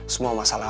semua masalah aku